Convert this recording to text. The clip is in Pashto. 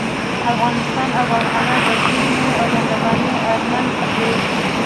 افغانستان او افغانان د ډېرې مينې او مهربانۍ اړمن دي